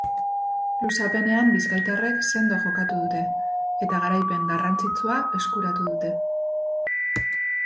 Luzapenean bizkaitarrek sendo jokatu dute eta garaipen garrantzitsua eskuratu dute.